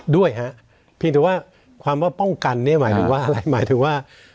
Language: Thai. ด้วยฮะเพียงแต่ว่าความว่าป้องกันเนี่ยหมายถึงว่าอะไรหมายถึงว่า